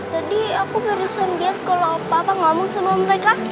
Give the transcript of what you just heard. tadi aku baru sanggit kalau papa ngomong sama mereka